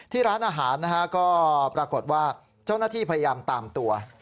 ร้านอาหารนะฮะก็ปรากฏว่าเจ้าหน้าที่พยายามตามตัว